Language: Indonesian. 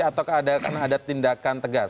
ataukah ada tindakan tegas